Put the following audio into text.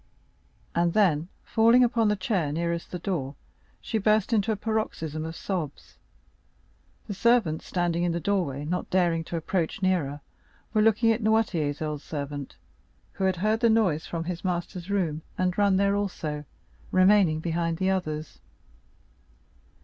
And then, falling upon the chair nearest the door, she burst into a paroxysm of sobs. The servants, standing in the doorway, not daring to approach nearer, were looking at Noirtier's old servant, who had heard the noise from his master's room, and run there also, remaining behind the others.